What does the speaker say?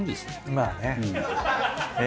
まあね。